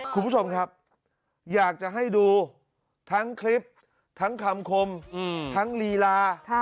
คุณผู้ชมครับอยากจะให้ดูทั้งคลิปทั้งคำคมทั้งลีลา